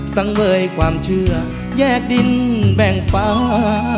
สังเวยความเชื่อแยกดินแบ่งฟ้า